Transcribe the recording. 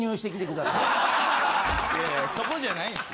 いやいやそこじゃないんすよ。